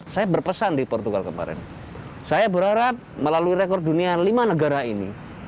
saya berpesan di portugal kemarin saya berharap melalui rekor dunia lima negara ini